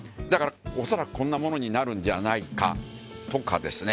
世「恐らくこんなものになるんじゃないか」とかですね。